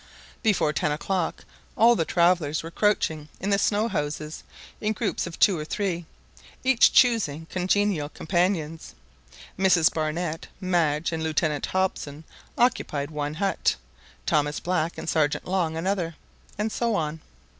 Before ten o'clock all the travellers were crouching in the snow houses, in groups of two or three, each choosing congenial companions. Mrs Barnett, Madge, and Lieutenant Hobson occupied one hut, Thomas Black and Sergeant Long another, and so on.